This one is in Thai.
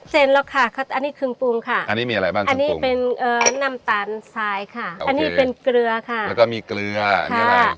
เสร็จแล้วค่ะอันนี้เครื่องปรุงค่ะอันนี้มีอะไรบ้างอันนี้เป็นน้ำตาลทรายค่ะอันนี้เป็นเกลือค่ะแล้วก็มีเกลือนี่ค่ะ